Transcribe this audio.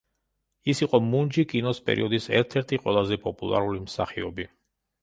ის იყო მუნჯი კინოს პერიოდის ერთ-ერთი ყველაზე პოპულარული მსახიობი.